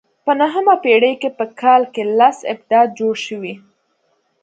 په نهمه پېړۍ کې په کال کې لس ابدات جوړ شوي.